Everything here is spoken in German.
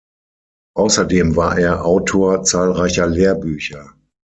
Außerdem war er Autor zahlreicher Lehrbücher.